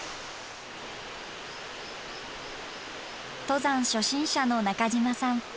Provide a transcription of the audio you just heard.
登山初心者の中島さん。